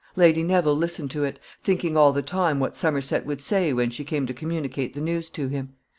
Lady Neville listened to it, thinking all the time what Somerset would say when she came to communicate the news to him.